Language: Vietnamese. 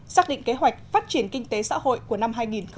xác định kế hoạch phát triển kinh tế xã hội của năm hai nghìn một mươi chín